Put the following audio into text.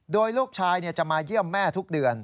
โดยลูกชายจะมาเยี่ยมแม่ทุกเดือน